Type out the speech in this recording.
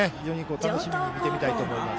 楽しみに見てみたいと思います。